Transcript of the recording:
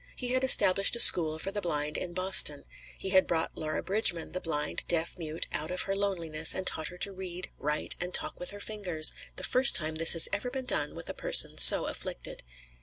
He had established a school for the blind in Boston; he had brought Laura Bridgman, the blind, deaf mute, out of her loneliness and taught her to read, write, and talk with her fingers; the first time this had ever been done with a person so afflicted.